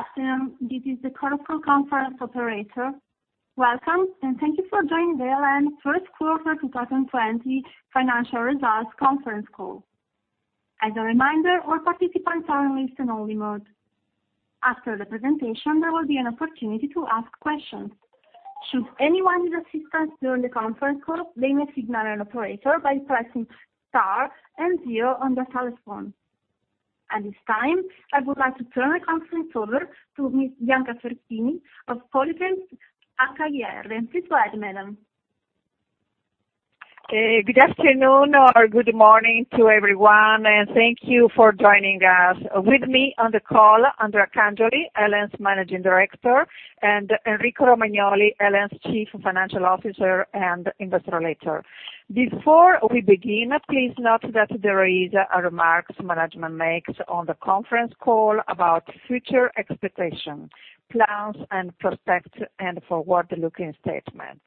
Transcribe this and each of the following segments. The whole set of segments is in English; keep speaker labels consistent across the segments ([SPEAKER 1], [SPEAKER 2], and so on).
[SPEAKER 1] Good afternoon. This is the corporate conference operator. Welcome, and thank you for joining EL.En.'s first quarter 2020 financial results conference call. As a reminder, all participants are in listen-only mode. After the presentation, there will be an opportunity to ask questions. Should anyone need assistance during the conference call, they may signal an operator by pressing Star and Zero on their telephone. At this time, I would like to turn the conference over to Ms. Bianca Fersini Mastelloni of Polytems S.p.A. Please go ahead, madam.
[SPEAKER 2] Good afternoon or good morning to everyone, and thank you for joining us. With me on the call, Andrea Cangioli, EL.En.'s Managing Director, and Enrico Romagnoli, EL.En.'s Chief Financial Officer and Investor Relator. Before we begin, please note that there is a remarks management makes on the conference call about future expectations, plans and prospects, and forward-looking statements.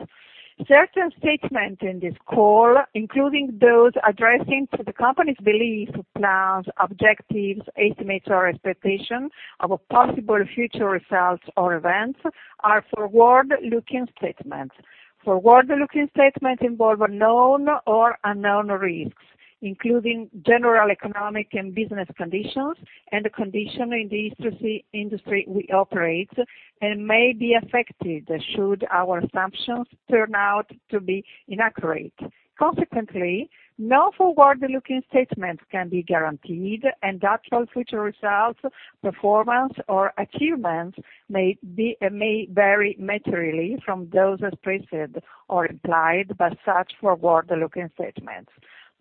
[SPEAKER 2] Certain statements in this call, including those addressing to the company's beliefs, plans, objectives, estimates or expectations of possible future results or events, are forward-looking statements. Forward-looking statements involve known or unknown risks, including general economic and business conditions and the condition in the industry we operate, and may be affected should our assumptions turn out to be inaccurate. Consequently, no forward-looking statements can be guaranteed, and actual future results, performance, or achievements may vary materially from those expressed or implied by such forward-looking statements.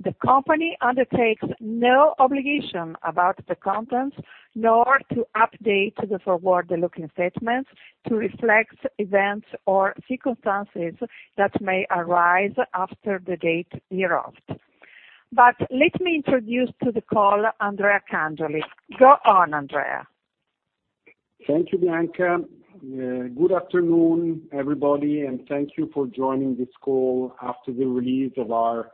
[SPEAKER 2] The company undertakes no obligation about the contents, nor to update the forward-looking statements to reflect events or circumstances that may arise after the date hereof. Let me introduce to the call Andrea Cangioli. Go on, Andrea.
[SPEAKER 3] Thank you, Bianca. Good afternoon, everybody, thank you for joining this call after the release of our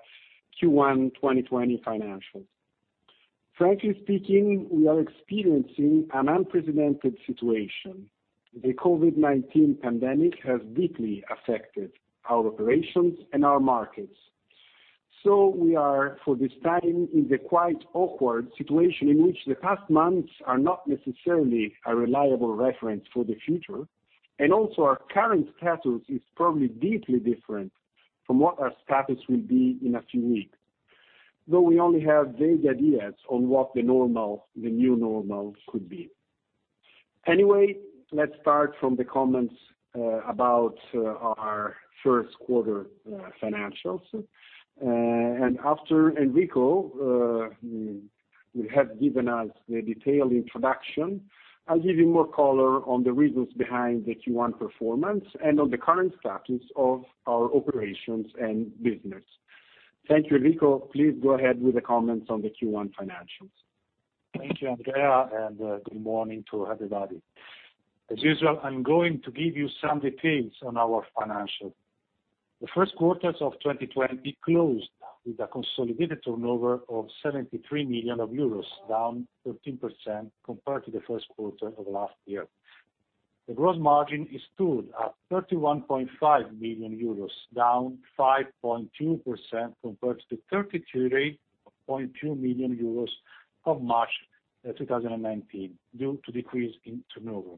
[SPEAKER 3] Q1 2020 financials. Frankly speaking, we are experiencing an unprecedented situation. The COVID-19 pandemic has deeply affected our operations and our markets. We are, for this time, in the quite awkward situation in which the past months are not necessarily a reliable reference for the future. Also our current status is probably deeply different from what our status will be in a few weeks, though we only have vague ideas on what the new normal could be. Anyway, let's start from the comments about our first quarter financials. After Enrico will have given us the detailed introduction, I'll give you more color on the reasons behind the Q1 performance and on the current status of our operations and business. Thank you, Enrico. Please go ahead with the comments on the Q1 financials.
[SPEAKER 4] Thank you, Andrea. Good morning to everybody. As usual, I'm going to give you some details on our financials. The first quarters of 2020 closed with a consolidated turnover of 73 million euros, down 13% compared to the first quarter of last year. The gross margin stood at 31.5 million euros, down 5.2% compared to 33.2 million euros of March 2019, due to decrease in turnover.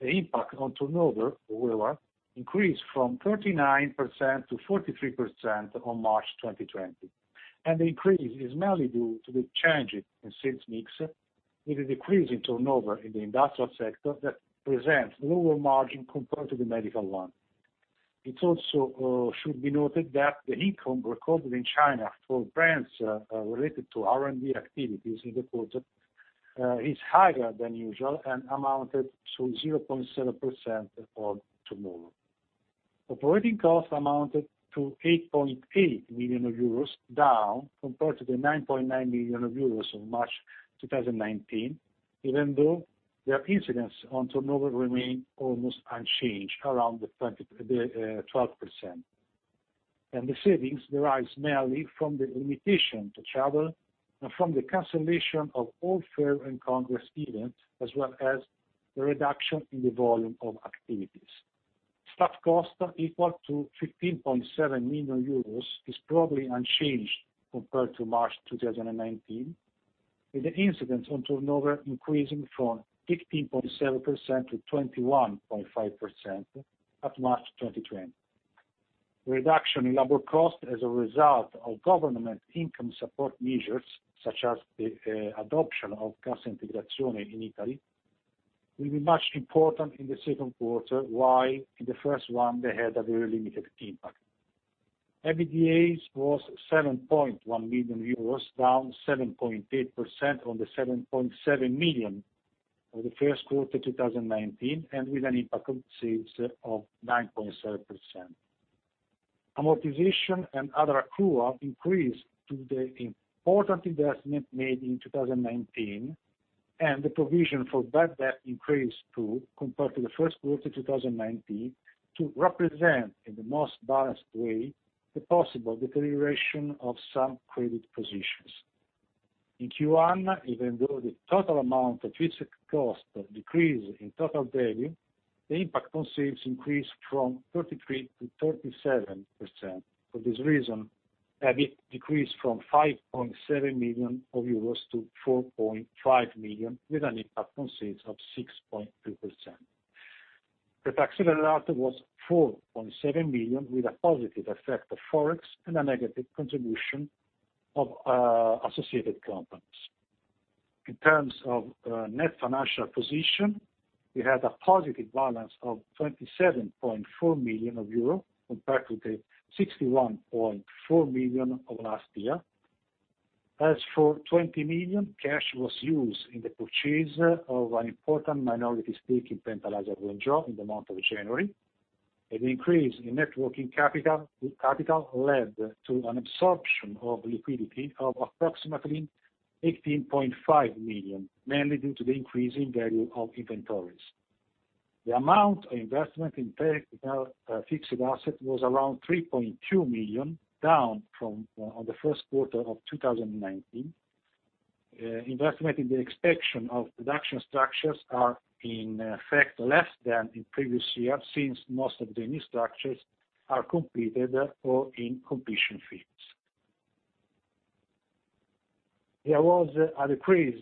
[SPEAKER 4] The impact on turnover, however, increased from 39% to 43% on March 2020, and the increase is mainly due to the changes in sales mix, with a decrease in turnover in the industrial sector that presents lower margin compared to the medical one. It also should be noted that the income recorded in China for grants related to R&D activities in the quarter is higher than usual and amounted to 0.7% of turnover. Operating costs amounted to 8.8 million euros, down compared to the 9.9 million euros of March 2019, even though their incidence on turnover remained almost unchanged, around the 12%. The savings derives mainly from the limitation to travel and from the cancellation of all fair and congress events, as well as the reduction in the volume of activities. Staff cost equal to 15.7 million euros is probably unchanged compared to March 2019, with the incidence on turnover increasing from 15.7% to 21.5% at March 2020. Reduction in labor cost as a result of government income support measures, such as the adoption of Cassa Integrazione in Italy, will be much important in the second quarter, while in the first one they had a very limited impact. EBITDA was 7.1 million euros, down 7.8% on the 7.7 million of the first quarter 2019. With an impact on sales of 9.7%. Amortization and other accrual increased to the important investment made in 2019, the provision for bad debt increased too, compared to the first quarter 2019, to represent in the most balanced way the possible deterioration of some credit positions. In Q1, even though the total amount of fixed cost decreased in total revenue, the impact on sales increased from 33% to 37%. For this reason, EBIT decreased from 5.7 million euros to 4.5 million euros, with an impact on sales of 6.2%. The tax result was 4.7 million, with a positive effect of Forex and a negative contribution of associated companies. In terms of net financial position, we had a positive balance of 27.4 million euro compared to the 61.4 million of last year. As for 20 million, cash was used in the purchase of an important minority stake in Penta Laser Wenzhou in the month of January. An increase in net working capital led to an absorption of liquidity of approximately 18.5 million, mainly due to the increase in value of inventories. The amount of investment in fixed asset was around 3.2 million, down from the first quarter of 2019. Investment in the expansion of production structures are in effect less than in previous years, since most of the new structures are completed or in completion phase. There was a decrease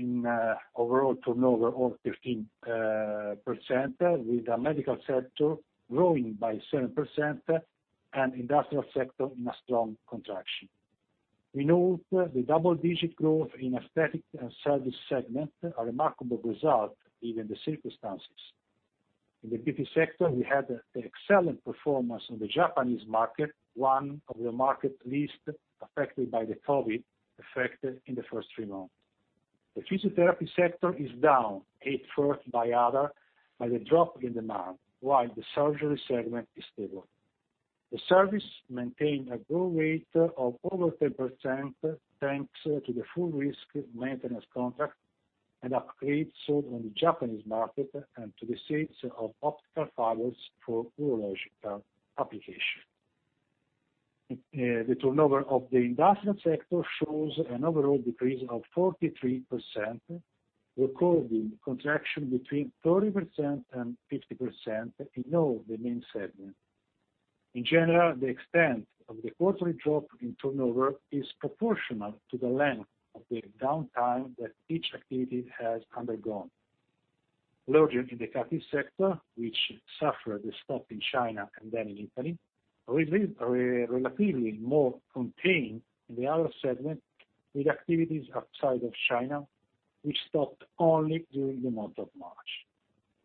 [SPEAKER 4] in overall turnover of 15%, with the medical sector growing by 7% and industrial sector in a strong contraction. We note the double-digit growth in aesthetic and service segment, a remarkable result given the circumstances. In the beauty sector, we had excellent performance in the Japanese market, one of the markets least affected by the COVID effect in the first three months. The physiotherapy sector is down, hit first by others, by the drop in demand, while the surgery segment is stable. The service maintained a growth rate of over 10%, thanks to the full risk maintenance contract, an upgrade sold on the Japanese market, and to the sales of optical fibers for urological application. The turnover of the industrial sector shows an overall decrease of 43%, recording contraction between 30% and 50% in all the main segments. In general, the extent of the quarterly drop in turnover is proportional to the length of the downtime that each activity has undergone. Larger in the cutting sector, which suffered a stop in China and then in Italy, relatively more contained in the other segment with activities outside of China, which stopped only during the month of March.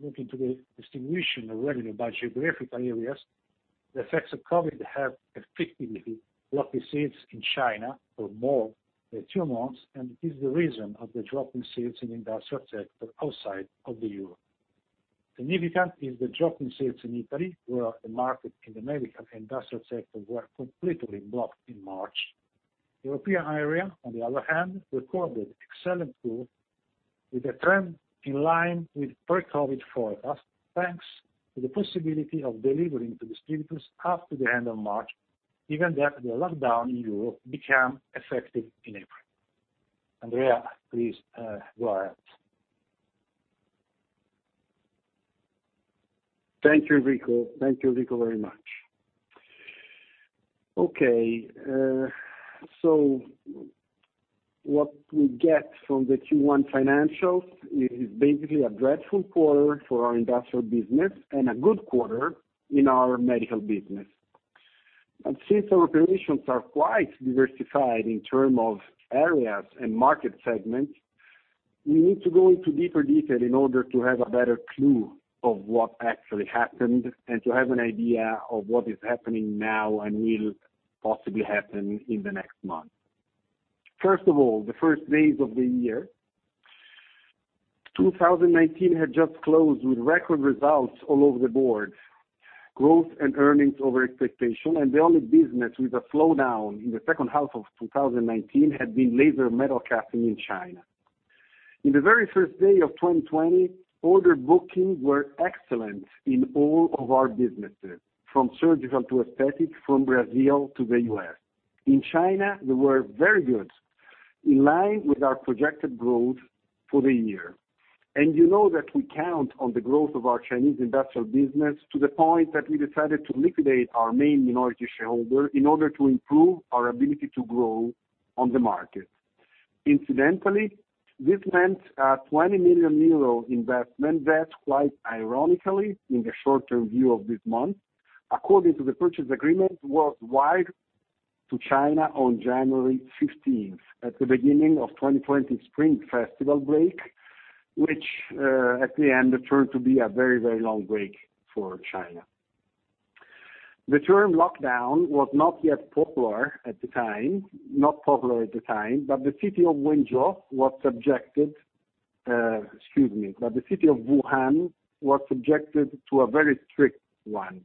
[SPEAKER 4] Looking to the distribution of revenue by geographic areas, the effects of COVID-19 have effectively blocked the sales in China for more than two months. It is the reason of the drop in sales in industrial sector outside of Europe. Significant is the drop in sales in Italy, where the market in the medical and industrial sector was completely blocked in March. European area, on the other hand, recorded excellent growth with the trend in line with pre-COVID-19 forecast, thanks to the possibility of delivering to distributors up to the end of March, even though the lockdown in Europe became effective in April. Andrea, please go ahead.
[SPEAKER 3] Thank you, Enrico, very much. Okay. What we get from the Q1 financials is basically a dreadful quarter for our industrial business and a good quarter in our medical business. Since our operations are quite diversified in term of areas and market segments, we need to go into deeper detail in order to have a better clue of what actually happened and to have an idea of what is happening now and will possibly happen in the next months. First of all, the first days of the year, 2019 had just closed with record results all over the board, growth and earnings over expectation, and the only business with a slowdown in the second half of 2019 had been laser metal cutting in China. In the very first day of 2020, order bookings were excellent in all of our businesses, from surgical to aesthetic, from Brazil to the U.S. In China, they were very good, in line with our projected growth for the year. You know that we count on the growth of our Chinese industrial business to the point that we decided to liquidate our main minority shareholder in order to improve our ability to grow on the market. Incidentally, this meant a 20 million euro investment that, quite ironically, in the short-term view of this month, according to the purchase agreement, was wired to China on January 16th at the beginning of 2020 Spring Festival break, which, at the end, turned to be a very, very long break for China. The term "lockdown" was not yet popular at the time, Excuse me, but the city of Wuhan was subjected to a very strict one,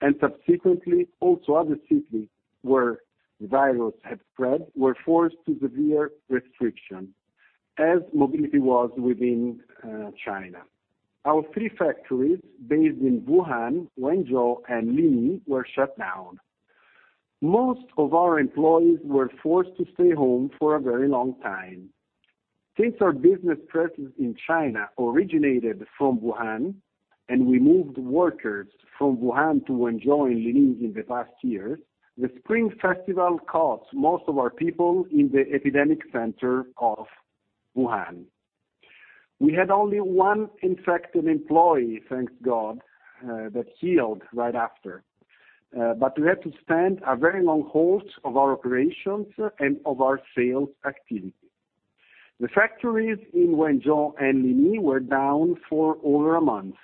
[SPEAKER 3] and subsequently, also other cities where the virus had spread were forced to severe restrictions. As mobility was within China, our three factories based in Wuhan, Wenzhou, and Linyi were shut down. Most of our employees were forced to stay home for a very long time. Since our business presence in China originated from Wuhan, and we moved workers from Wuhan to Wenzhou and Linyi in the past years, the Spring Festival caught most of our people in the epidemic center of Wuhan. We had only one infected employee, thank God, that healed right after. We had to stand a very long halt of our operations and of our sales activity. The factories in Wenzhou and Linyi were down for over a month.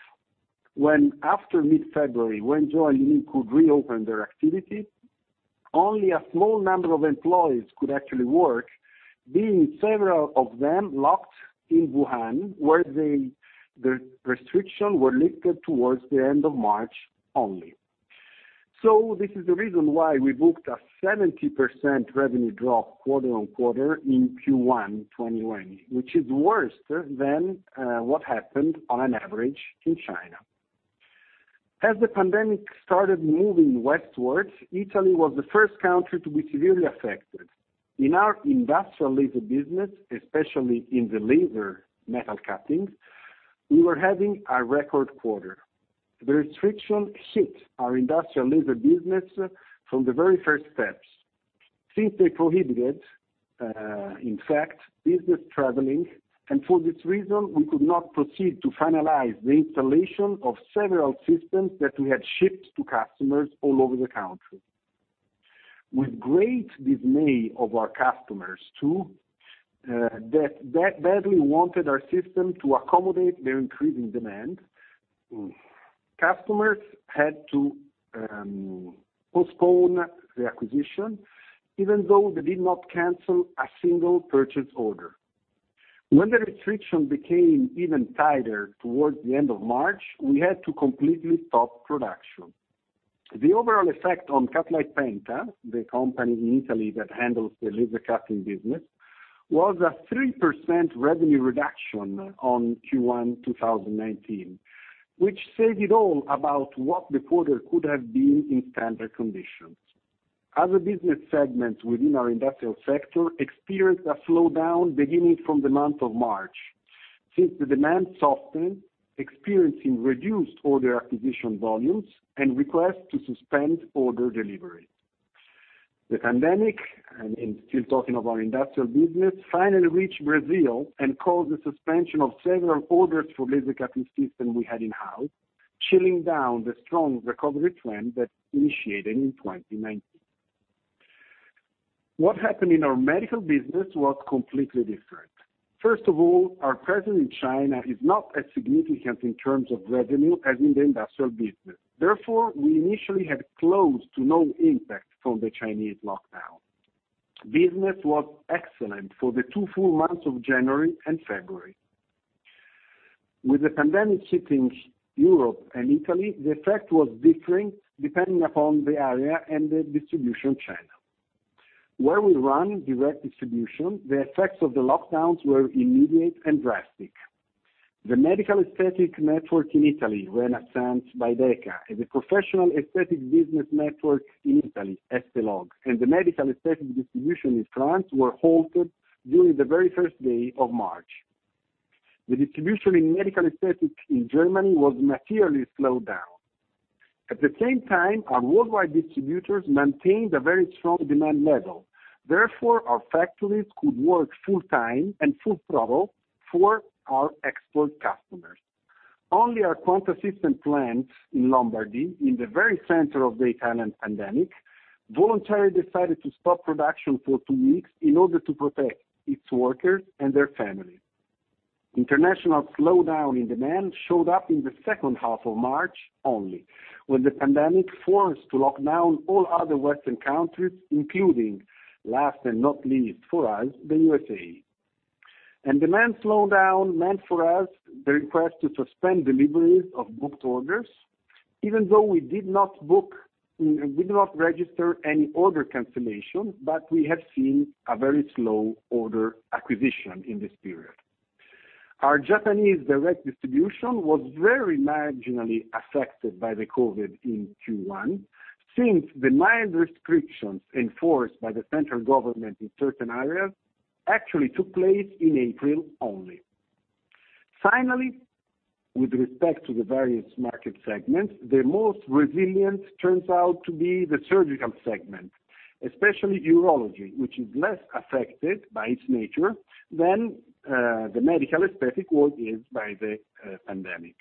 [SPEAKER 3] When after mid-February, Wenzhou and Linyi could reopen their activity, only a small number of employees could actually work, being several of them locked in Wuhan, where the restriction were lifted towards the end of March only. This is the reason why we booked a 70% revenue drop quarter-on-quarter in Q1 2020, which is worse than what happened on an average in China. As the pandemic started moving westward, Italy was the first country to be severely affected. In our industrial laser business, especially in the laser metal cutting, we were having a record quarter. The restriction hit our industrial laser business from the very first steps since they prohibited, in fact, business traveling. For this reason, we could not proceed to finalize the installation of several systems that we had shipped to customers all over the country. With great dismay of our customers, too, that badly wanted our system to accommodate their increasing demand. Customers had to postpone the acquisition, even though they did not cancel a single purchase order. When the restriction became even tighter towards the end of March, we had to completely stop production. The overall effect on Cutlite Penta, the company in Italy that handles the laser cutting business, was a 3% revenue reduction on Q1 2019, which said it all about what the quarter could have been in standard conditions. Other business segments within our industrial sector experienced a slowdown beginning from the month of March, since the demand softened, experiencing reduced order acquisition volumes, and requests to suspend order delivery. The pandemic, still talking of our industrial business, finally reached Brazil and caused the suspension of several orders for laser cutting system we had in-house, chilling down the strong recovery trend that initiated in 2019. What happened in our medical business was completely different. First of all, our presence in China is not as significant in terms of revenue as in the industrial business. Therefore, we initially had close to no impact from the Chinese lockdown. Business was excellent for the two full months of January and February. With the pandemic hitting Europe and Italy, the effect was different depending upon the area and the distribution channel. Where we run direct distribution, the effects of the lockdowns were immediate and drastic. The medical aesthetic network in Italy, Renaissance by DEKA, the professional aesthetic business network in Italy, Esthelogue, and the medical aesthetic distribution in France were halted during the very first day of March. The distribution in medical aesthetics in Germany was materially slowed down. At the same time, our worldwide distributors maintained a very strong demand level. Therefore, our factories could work full time and full throttle for our export customers. Only our Quanta System plant in Lombardy, in the very center of the Italian pandemic, voluntarily decided to stop production for two weeks in order to protect its workers and their families. International slowdown in demand showed up in the second half of March only, when the pandemic forced to lock down all other Western countries, including, last and not least for us, the U.S.A. Demand slowdown meant for us the request to suspend deliveries of booked orders, even though we did not register any order cancellation, but we have seen a very slow order acquisition in this period. Our Japanese direct distribution was very marginally affected by the COVID-19 in Q1, since the mild restrictions enforced by the central government in certain areas actually took place in April only. Finally, with respect to the various market segments, the most resilient turns out to be the surgical segment, especially urology, which is less affected by its nature than the medical aesthetic was hit by the pandemic.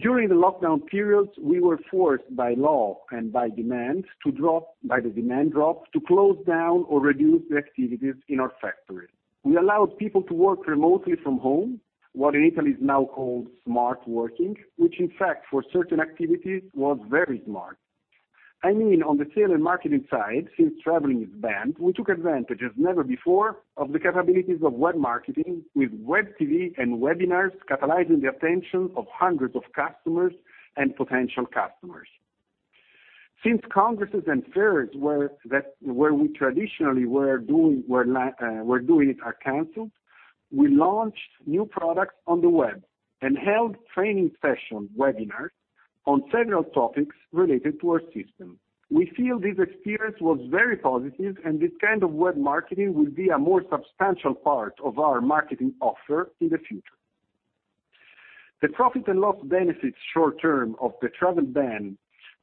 [SPEAKER 3] During the lockdown periods, we were forced by law and by the demand drop, to close down or reduce the activities in our factories. We allowed people to work remotely from home, what in Italy is now called smart working, which in fact for certain activities was very smart. I mean, on the sales and marketing side, since traveling is banned, we took advantage as never before of the capabilities of web marketing with web TV and webinars catalyzing the attention of hundreds of customers and potential customers. Since conferences and fairs where we traditionally were doing it are canceled, we launched new products on the web and held training session webinars on several topics related to our system. We feel this experience was very positive, and this kind of web marketing will be a more substantial part of our marketing offer in the future. The profit and loss benefits short term of the travel ban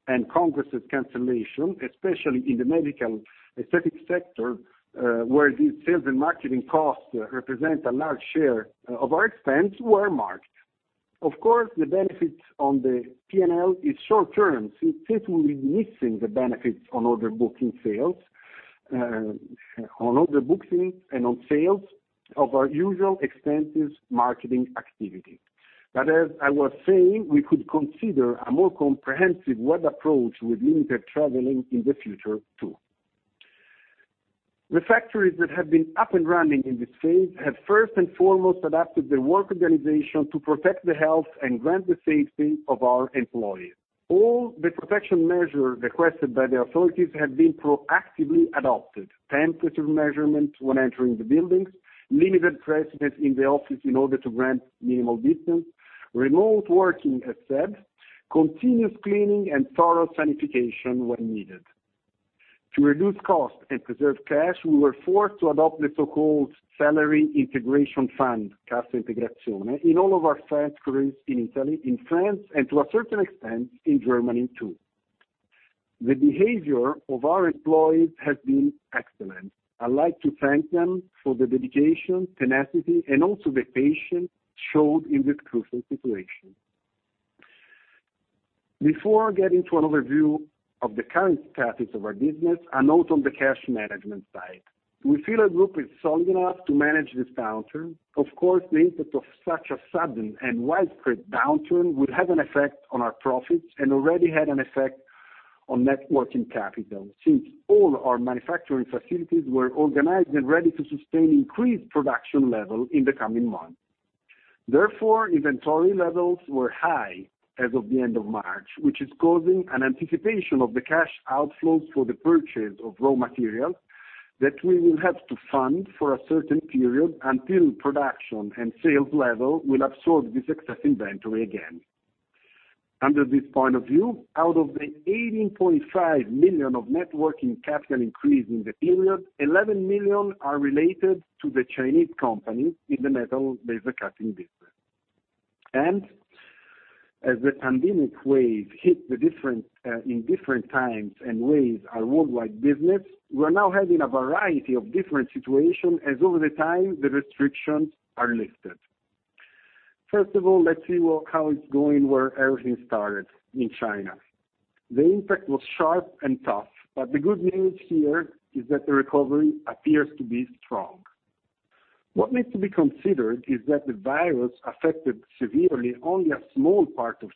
[SPEAKER 3] and conferences cancellation, especially in the medical aesthetics sector, where these sales and marketing costs represent a large share of our expense, were marked. Of course, the benefits on the P&L is short-term, since it will be missing the benefits on order booking sales, on order bookings, and on sales of our usual extensive marketing activity. As I was saying, we could consider a more comprehensive web approach with limited traveling in the future, too. The factories that have been up and running in this phase have first and foremost adapted their work organization to protect the health and grant the safety of our employees. All the protection measure requested by the authorities have been proactively adopted. Temperature measurement when entering the buildings, limited presence in the office in order to grant minimal distance, remote working as said, continuous cleaning, and thorough sanitization when needed. To reduce cost and preserve cash, we were forced to adopt the so-called salary integration fund, Cassa Integrazione, in all of our factories in Italy, in France, and to a certain extent, in Germany, too. The behavior of our employees has been excellent. I like to thank them for the dedication, tenacity, and also the patience showed in this crucial situation. Before getting to an overview of the current status of our business, a note on the cash management side. We feel our group is solid enough to manage this downturn. The impact of such a sudden and widespread downturn will have an effect on our profits and already had an effect on net working capital, since all our manufacturing facilities were organized and ready to sustain increased production level in the coming months. Inventory levels were high as of the end of March, which is causing an anticipation of the cash outflows for the purchase of raw materials that we will have to fund for a certain period until production and sales level will absorb this excess inventory again. Under this point of view, out of the 18.5 million of net working capital increase in the period, 11 million are related to the Chinese company in the metal laser cutting business. As the pandemic wave hit in different times and ways our worldwide business, we're now having a variety of different situation, as over the time, the restrictions are lifted. First of all, let's see how it's going where everything started, in China. The impact was sharp and tough, but the good news here is that the recovery appears to be strong. What needs to be considered is that the virus affected severely only a small part of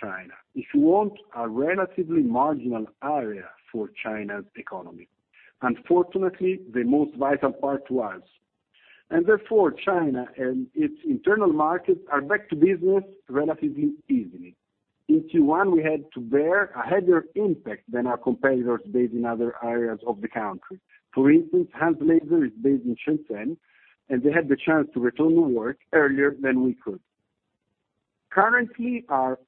[SPEAKER 3] China. If you want, a relatively marginal area for China's economy. Unfortunately, the most vital part was. Therefore, China and its internal markets are back to business relatively easily. In Q1, we had to bear a heavier impact than our competitors based in other areas of the country. For instance, Han's Laser is based in Shenzhen, and they had the chance to return to work earlier than we could. Currently, our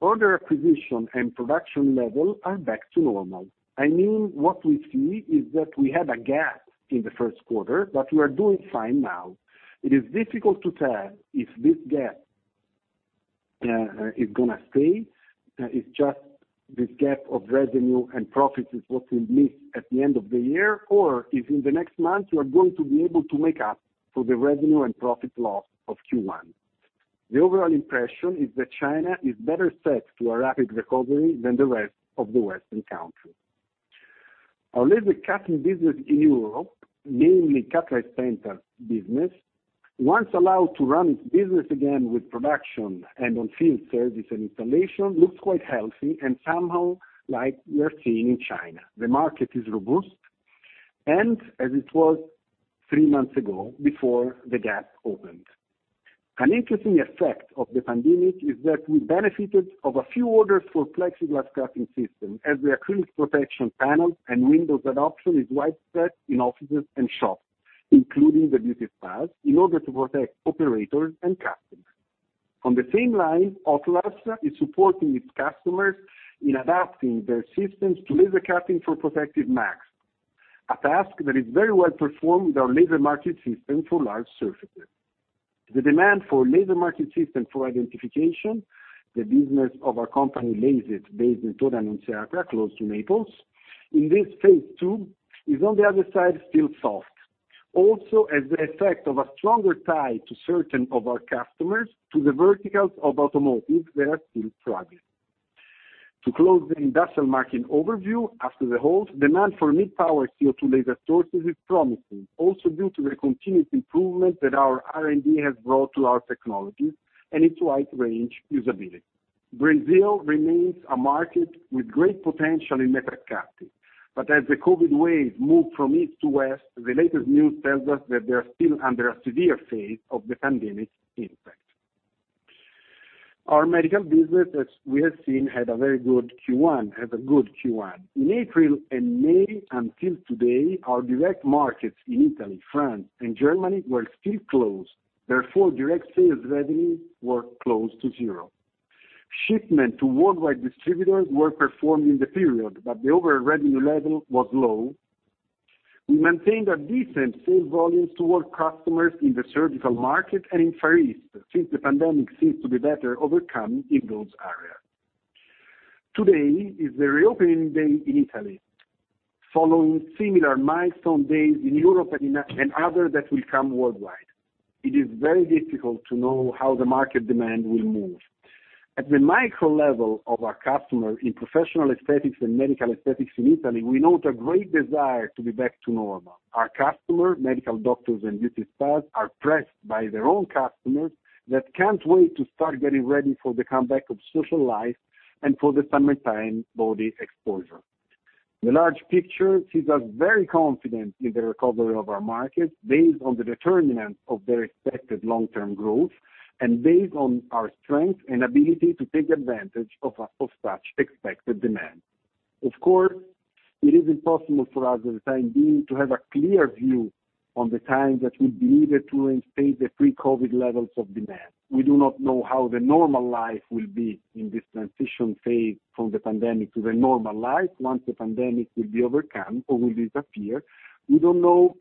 [SPEAKER 3] order acquisition and production level are back to normal. I mean, what we see is that we had a gap in the first quarter, but we are doing fine now. It is difficult to tell if this gap is going to stay, is just this gap of revenue and profits is what we'll miss at the end of the year, or if in the next months, we are going to be able to make up for the revenue and profit loss of Q1. The overall impression is that China is better set to a rapid recovery than the rest of the Western countries. Our laser cutting business in Europe, mainly Cutlite Penta business, once allowed to run its business again with production and on-field service and installation, looks quite healthy and somehow like we are seeing in China. The market is robust, as it was three months ago, before the gap opened. An interesting effect of the pandemic is that we benefited of a few orders for plexiglass cutting system as the acrylic protection panel and windows adoption is widespread in offices and shops, including the beauty spas, in order to protect operators and customers. On the same line, O.P.L.A.S. is supporting its customers in adapting their systems to laser cutting for protective masks, a task that is very well performed with our laser marking system for large surfaces. The demand for laser marking system for identification, the business of our company, LASIT, based in Torre Annunziata, close to Naples, in this phase too, is on the other side, still soft. As the effect of a stronger tie to certain of our customers to the verticals of automotive, they are still struggling. To close the industrial marking overview, after the halt, demand for mid-power CO2 laser sources is promising, also due to the continuous improvement that our R&D has brought to our technologies and its wide range usability. Brazil remains a market with great potential in metal cutting, but as the COVID wave moved from east to west, the latest news tells us that they are still under a severe phase of the pandemic impact. Our medical business, as we have seen, had a very good Q1. In April and May until today, our direct markets in Italy, France, and Germany were still closed. Therefore, direct sales revenues were close to zero. Shipment to worldwide distributors were performed in the period, but the overall revenue level was low. We maintained our decent sales volumes toward customers in the surgical market and in Far East, since the pandemic seems to be better overcome in those areas. Today is the reopening day in Italy, following similar milestone days in Europe and other that will come worldwide. It is very difficult to know how the market demand will move. At the micro level of our customer in professional aesthetics and medical aesthetics in Italy, we note a great desire to be back to normal. Our customer, medical doctors, and beauty spas are pressed by their own customers that can't wait to start getting ready for the comeback of social life and for the summertime body exposure. The large picture sees us very confident in the recovery of our markets based on the determinant of the respective long-term growth, and based on our strength and ability to take advantage of such expected demand. Of course, it is impossible for us, at the time being, to have a clear view on the time that will be needed to restate the pre-COVID levels of demand. We do not know how the normal life will be in this transition phase from the pandemic to the normal life, once the pandemic will be overcome or will disappear. We don't know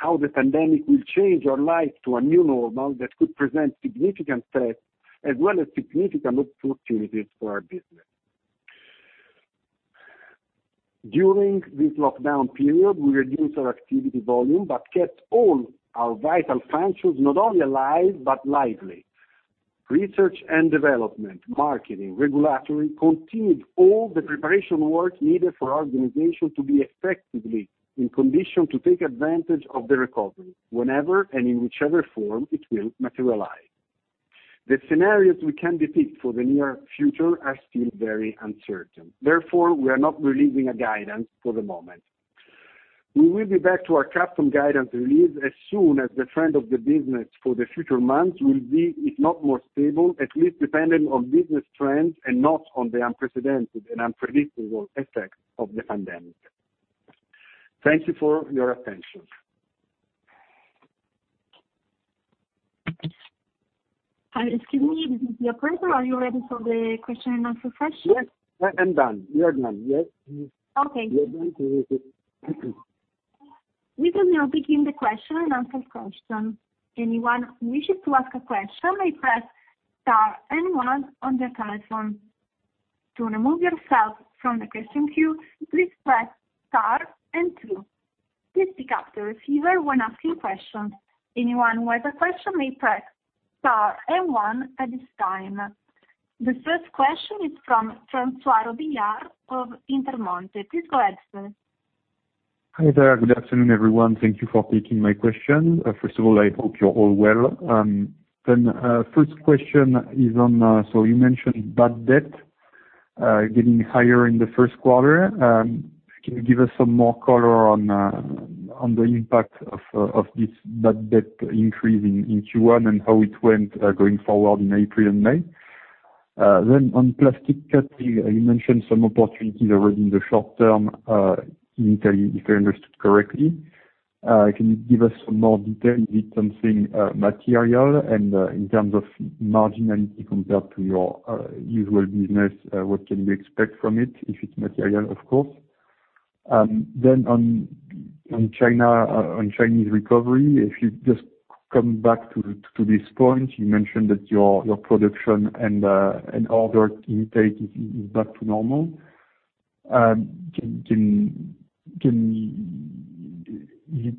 [SPEAKER 3] how the pandemic will change our life to a new normal that could present significant threats as well as significant opportunities for our business. During this lockdown period, we reduced our activity volume but kept all our vital functions not only alive but lively. Research and development, marketing, regulatory, continued all the preparation work needed for our organization to be effectively in condition to take advantage of the recovery, whenever and in whichever form it will materialize. The scenarios we can depict for the near future are still very uncertain. Therefore, we are not releasing a guidance for the moment. We will be back to our custom guidance release as soon as the trend of the business for the future months will be, if not more stable, at least dependent on business trends and not on the unprecedented and unpredictable effects of the pandemic. Thank you for your attention.
[SPEAKER 1] Excuse me, this is the operator. Are you ready for the question and answer session?
[SPEAKER 3] Yes. I'm done. We are done. Yes.
[SPEAKER 1] Okay.
[SPEAKER 3] We are done.
[SPEAKER 1] We will now begin the question and answer session. Anyone who wishes to ask a question may press Star and One on their telephone. To remove yourself from the question queue, please press Star and Two. Please pick up the receiver when asking questions. Anyone who has a question may press Star and One at this time. The first question is from Francois Billard of Intermonte. Please go ahead, sir.
[SPEAKER 5] Hi there. Good afternoon, everyone. Thank you for taking my question. First of all, I hope you're all well. First question is on, you mentioned bad debt getting higher in the first quarter. Can you give us some more color on the impact of this bad debt increase in Q1 and how it went going forward in April and May? On plastic surgery, you mentioned some opportunities already in the short term in Italy, if I understood correctly. Can you give us some more detail? Is it something material and in terms of marginality compared to your usual business, what can we expect from it? If it's material, of course. On Chinese recovery, if you just come back to this point, you mentioned that your production and order intake is back to normal. Can you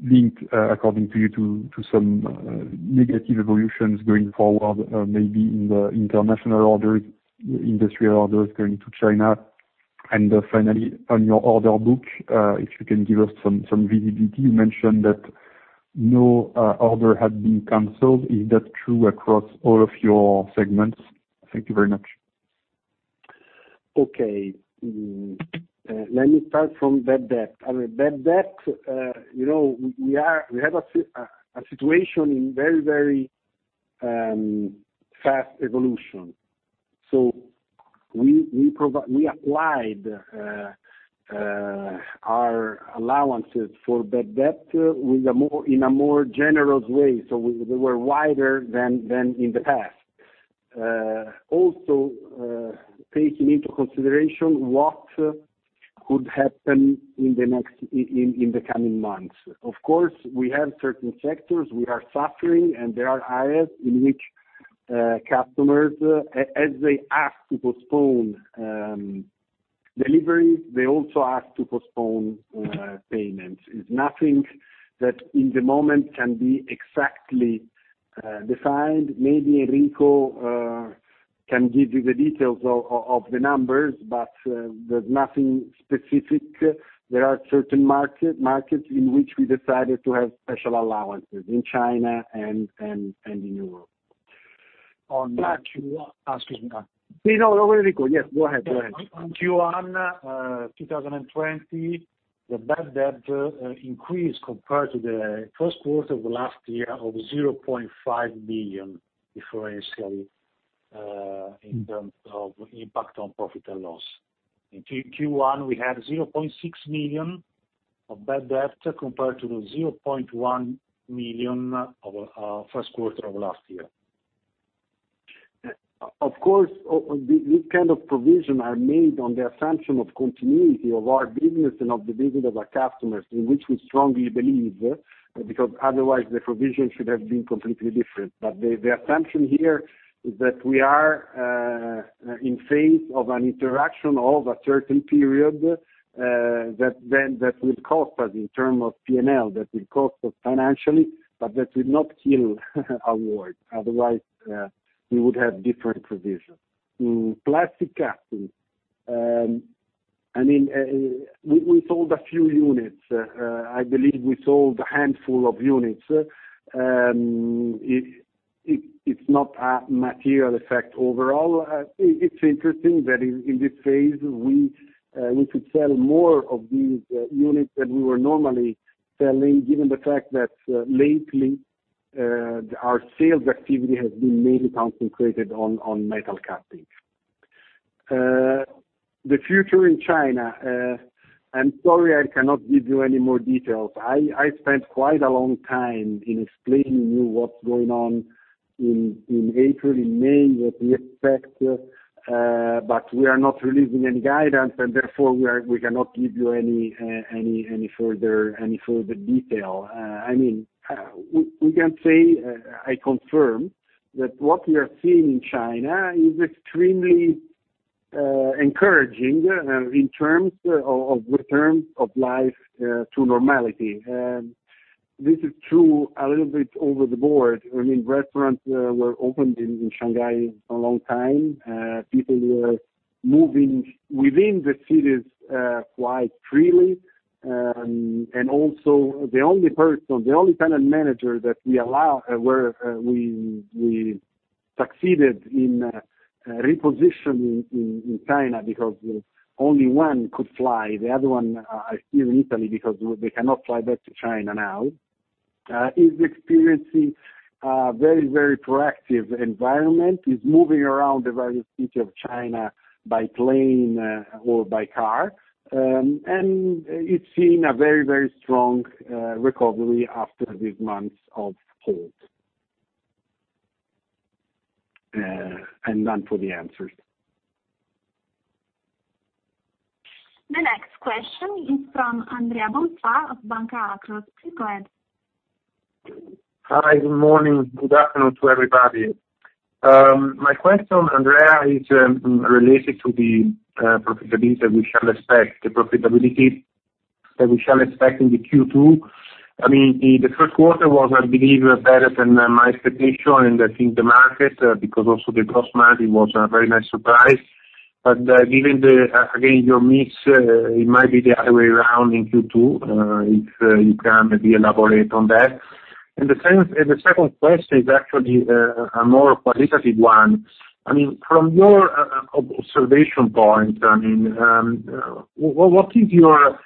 [SPEAKER 5] link, according to you, to some negative evolutions going forward, maybe in the international orders, industrial orders going to China? Finally, on your order book, if you can give us some visibility. You mentioned that no order had been canceled. Is that true across all of your segments? Thank you very much.
[SPEAKER 3] Okay. Let me start from bad debt. Bad debt, we have a situation in very, very fast evolution. We applied our allowances for bad debt in a more generous way. They were wider than in the past. Also, taking into consideration what could happen in the coming months. Of course, we have certain sectors we are suffering, and there are areas in which customers, as they ask to postpone deliveries, they also ask to postpone payments. It's nothing that, in the moment, can be exactly defined. Maybe Enrico can give you the details of the numbers, but there's nothing specific. There are certain markets in which we decided to have special allowances, in China and in Europe.
[SPEAKER 4] On that, excuse me.
[SPEAKER 3] No, Enrico. Yes, go ahead.
[SPEAKER 4] Q1 2020, the bad debt increase compared to the first quarter of last year of 0.5 billion differentially in terms of impact on profit and loss.
[SPEAKER 3] In Q1, we had 0.6 million of bad debt compared to the 0.1 million of first quarter of last year. Of course, this kind of provision are made on the assumption of continuity of our business and of the business of our customers, in which we strongly believe, because otherwise the provision should have been completely different. But the assumption here is that we are in phase of an interaction over a certain period, that will cost us in term of P&L, that will cost us financially, but that will not kill our work. Otherwise, we would have different provisions. In plastic cutting, we sold a few units. I believe we sold a handful of units. It's not a material effect overall. It's interesting that in this phase, we could sell more of these units than we were normally selling, given the fact that lately, our sales activity has been mainly concentrated on metal cutting. The future in China, I'm sorry, I cannot give you any more details. I spent quite a long time in explaining to you what's going on in April, in May, what we expect. We are not releasing any guidance, and therefore, we cannot give you any further detail. We can say, I confirm, that what we are seeing in China is extremely encouraging in terms of return of life to normality. This is true a little bit over the board. Restaurants were opened in Shanghai for a long time. People were moving within the cities quite freely. Also, the only person, the only talent manager that we succeeded in repositioning in China, because only one could fly, the other one are still in Italy because they cannot fly back to China now, is experiencing a very proactive environment. He's moving around the various cities of China by plane or by car. It's seen a very strong recovery after these months of halt. I'm done for the answers.
[SPEAKER 1] The next question is from Andrea Bonfà of Banca Akros. Please go ahead.
[SPEAKER 6] Hi, good morning, good afternoon to everybody. My question, Andrea, is related to the profitability that we shall expect in Q2. The first quarter was, I believe, better than my expectation, and I think the market, because also the gross margin was a very nice surprise. Given, again, your mix, it might be the other way around in Q2. If you can maybe elaborate on that. The second question is actually a more qualitative one. From your observation point, what is your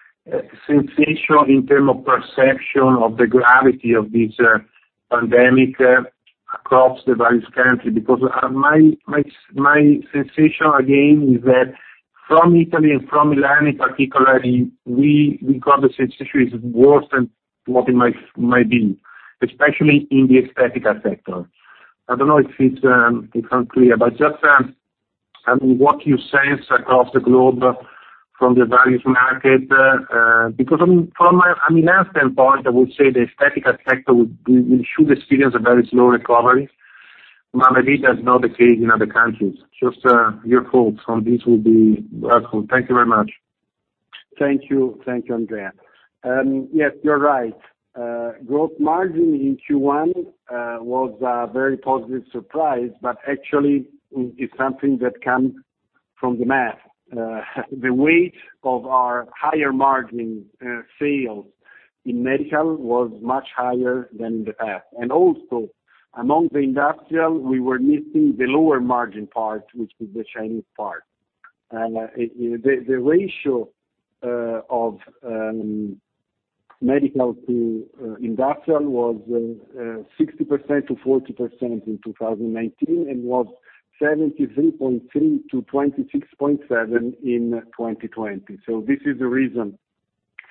[SPEAKER 6] sensation in terms of perception of the gravity of this pandemic across the various countries? My sensation again, is that from Italy and from Milan in particularly, we got the situation is worse than what it might be, especially in the aesthetic sector. I don't know if it's unclear. Just, what you sense across the globe from the various markets? From a Milan standpoint, I would say the aesthetic sector we should experience a very slow recovery. Maybe that's not the case in other countries. Just your thoughts on this will be helpful. Thank you very much.
[SPEAKER 3] Thank you, Andrea. Yes, you're right. Growth margin in Q1 was a very positive surprise, but actually, it's something that comes from the math. The weight of our higher margin sales in medical was much higher than in the past. Also, among the industrial, we were missing the lower margin part, which is the Chinese part. The ratio of medical to industrial was 60% to 40% in 2019, and was 73.3 to 26.7 in 2020. This is the reason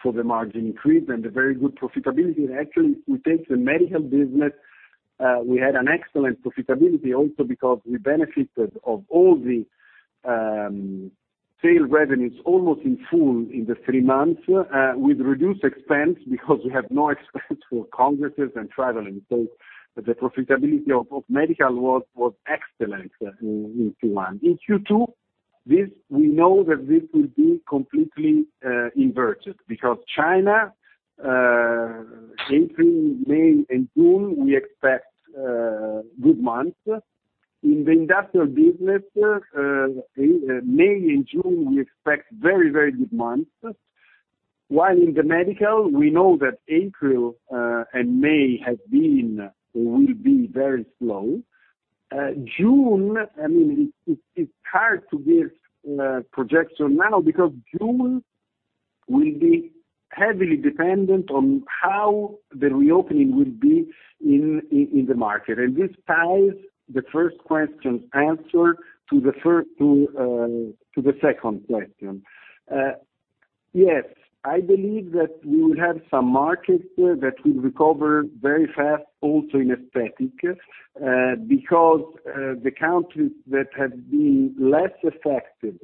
[SPEAKER 3] for the margin increase and the very good profitability. Actually, if we take the medical business, we had an excellent profitability also because we benefited of all the sales revenues, almost in full in the three months, with reduced expense, because we have no expense for congresses and traveling. The profitability of medical was excellent in Q1. In Q2, we know that this will be completely inverted, because China, April, May, and June, we expect good months. In the industrial business, May and June, we expect very good months. While in the medical, we know that April and May will be very slow. June, it's hard to give projection now, because June will be heavily dependent on how the reopening will be in the market. This ties the first question's answer to the second question. Yes, I believe that we will have some markets that will recover very fast, also in aesthetic, because the countries that have been less affected,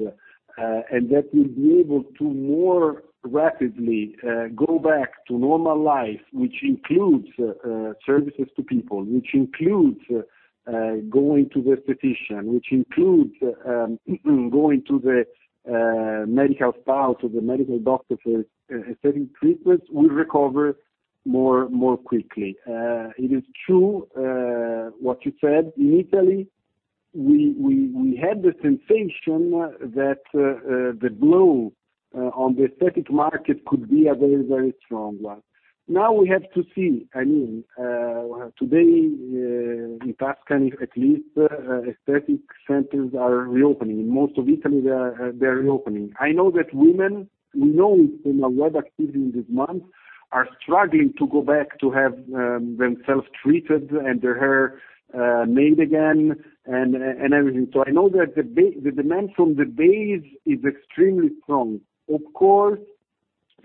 [SPEAKER 3] and that will be able to more rapidly go back to normal life, which includes services to people, which includes going to the aesthetician, which includes going to the medical staff or the medical doctor for certain treatments, will recover more quickly. It is true what you said. In Italy, we had the sensation that the blow on the aesthetic market could be a very strong one. Now we have to see. Today, in Tuscany at least, aesthetic centers are reopening. In most of Italy, they are reopening. I know that women, we know it in our web activity this month, are struggling to go back to have themselves treated and their hair made again and everything. I know that the demand from the base is extremely strong. Of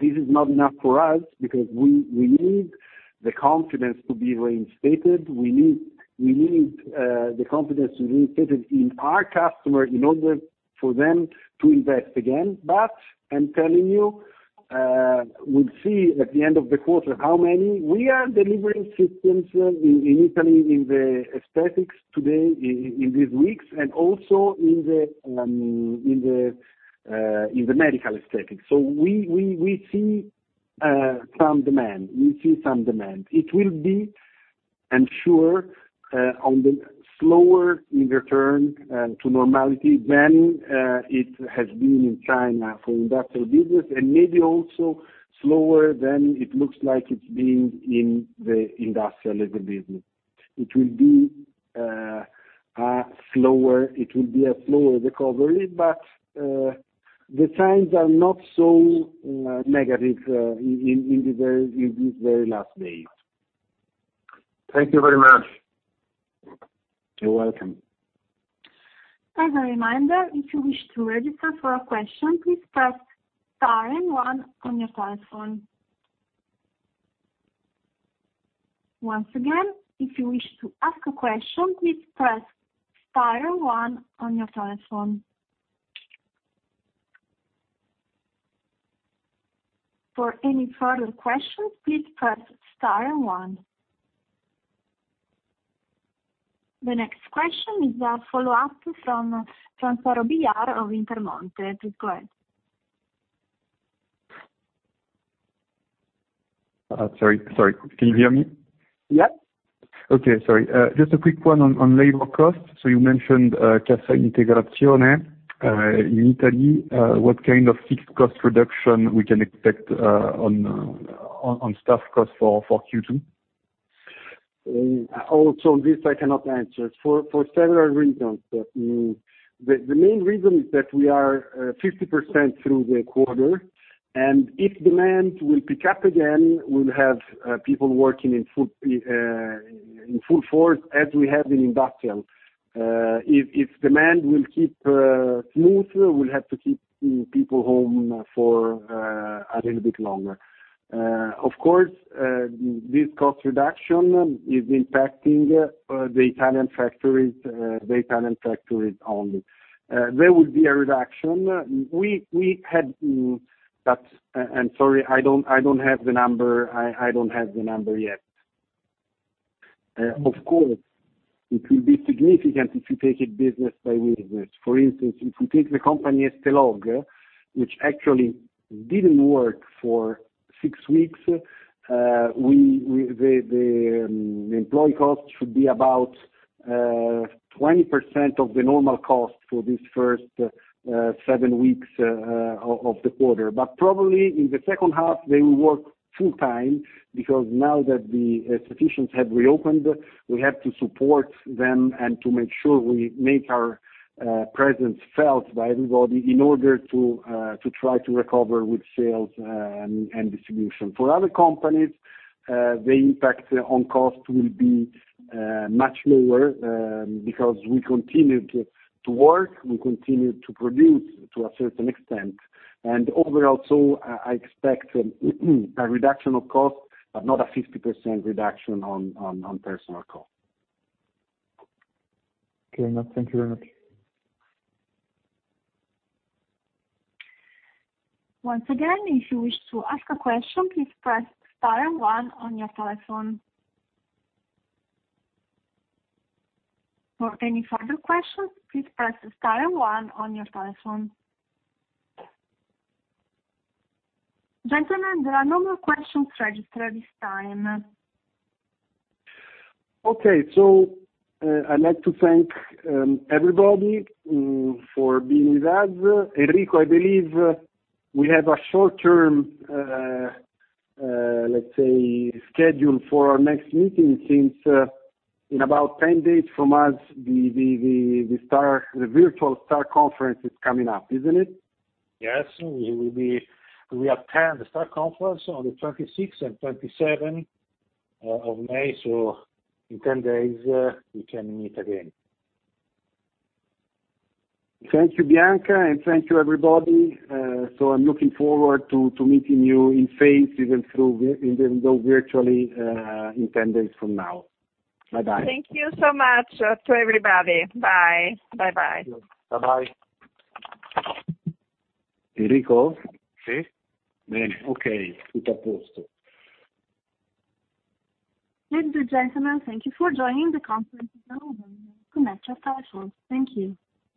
[SPEAKER 3] course, this is not enough for us because we need the confidence to be reinstated. We need the confidence to be reinstated in our customer in order for them to invest again. I'm telling you, we'll see at the end of the quarter how many. We are delivering systems in Italy, in the aesthetics today, in these weeks, and also in the medical aesthetics. We see some demand. It will be, I'm sure, on the slower return to normality than it has been in China for industrial business, and maybe also slower than it looks like it's been in the industrial laser business. It will be a slower recovery, but the signs are not so negative in this very last days.
[SPEAKER 6] Thank you very much.
[SPEAKER 3] You're welcome.
[SPEAKER 1] As a reminder, if you wish to register for a question, please press star and one on your telephone. Once again, if you wish to ask a question, please press star and one on your telephone. For any further questions, please press star and one. The next question is a follow-up from Arturo Birra of Intermonte. Please go ahead.
[SPEAKER 7] Sorry. Can you hear me?
[SPEAKER 3] Yes.
[SPEAKER 7] Okay. Sorry. Just a quick one on labor cost. You mentioned Cassa Integrazione in Italy, what kind of fixed cost reduction we can expect on staff cost for Q2?
[SPEAKER 3] This I cannot answer for several reasons. The main reason is that we are 50% through the quarter, and if demand will pick up again, we'll have people working in full force as we have in industrial. If demand will keep smooth, we'll have to keep people home for a little bit longer. Of course, this cost reduction is impacting the Italian factories only. There will be a reduction. I'm sorry, I don't have the number yet. Of course, it will be significant if you take it business by business. For instance, if you take the company Esthelogue, which actually didn't work for six weeks, the employee cost should be about 20% of the normal cost for these first seven weeks of the quarter. Probably in the second half, they will work full time because now that the institutions have reopened, we have to support them and to make sure we make our presence felt by everybody in order to try to recover with sales and distribution. For other companies, the impact on cost will be much lower, because we continue to work, we continue to produce to a certain extent. Overall, I expect a reduction of cost, but not a 50% reduction on personal cost.
[SPEAKER 7] Okay. No, thank you very much.
[SPEAKER 1] Once again, if you wish to ask a question, please press star and one on your telephone. For any further questions, please press star and one on your telephone. Gentlemen, there are no more questions registered at this time.
[SPEAKER 3] I'd like to thank everybody for being with us. Enrico, I believe we have a short-term, let's say, schedule for our next meeting since in about 10 days from us, the virtual STAR Conference is coming up, isn't it?
[SPEAKER 4] Yes. We attend the STAR Conference on the 26th and 27th of May. In 10 days, we can meet again.
[SPEAKER 3] Thank you, Bianca, and thank you everybody. I'm looking forward to meeting you in face, even though virtually, in 10 days from now. Bye-bye.
[SPEAKER 2] Thank you so much to everybody. Bye. Bye bye.
[SPEAKER 3] Bye-bye. Enrico?
[SPEAKER 4] Si?
[SPEAKER 3] Bene. Okay. Tutto a posto.
[SPEAKER 1] Ladies and gentlemen, thank you for joining the conference and you may disconnect your telephones. Thank you.